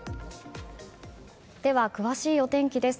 では、詳しいお天気です。